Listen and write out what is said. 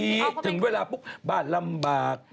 ถึงเวลาปุ๊บบ้านลำบาก